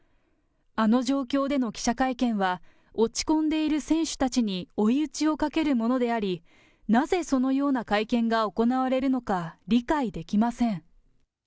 あの状況での記者会見は、落ち込んでいる選手たちに追い打ちをかけるものであり、なぜそのような会見が行われるのか、理解できません。